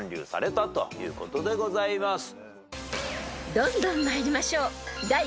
［どんどん参りましょう］